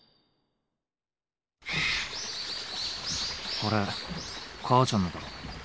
これ母ちゃんのだろ？